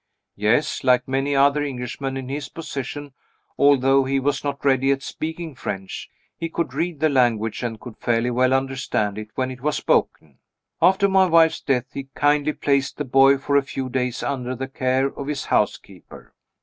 "Yes. Like many other Englishmen in his position, although he was not ready at speaking French, he could read the language, and could fairly well understand it, when it was spoken. After my wife's death, he kindly placed the boy, for a few days, under the care of his housekeeper.